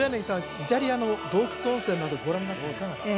イタリアの洞窟温泉などご覧になっていかがですか？